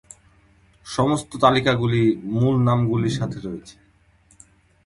সমস্ত তালিকাগুলি মূল নামগুলির সাথে রয়েছে।